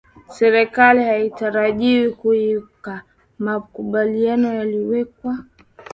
serikali haitarajiwi kukiuka makubaliano yaliyowekwa